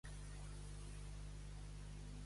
Per tant, Cunorix equival al nom Cynric?